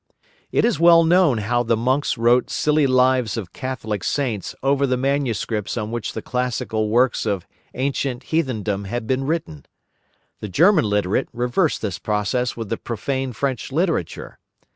It is well known how the monks wrote silly lives of Catholic Saints over the manuscripts on which the classical works of ancient heathendom had been written. The German literati reversed this process with the profane French literature.